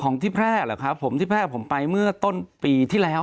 ที่แพร่เหรอครับผมที่แพร่ผมไปเมื่อต้นปีที่แล้ว